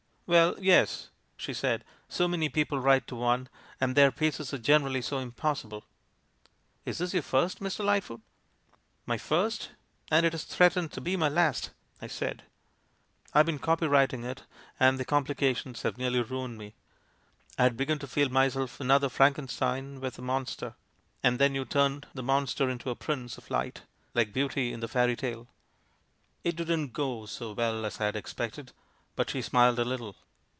" 'Well, yes,' she said. 'So many people write to one, and their pieces are generally so impos sible. Is this your first, Mr. Lightfoot?' " 'My first, and it has threatened to be my last,' I said. 'I've been copyrighting it, and the com plications have nearly ruined me. I had begun to feel myself another Frankenstein with a mon ster — and then you turned the monster into a prince of light, like Beauty in the fairy tale.' "It didn't 'go' so well as I had expected, but she smiled a little.